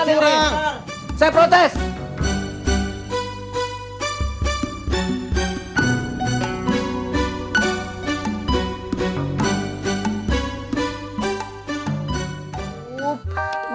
iya ini curang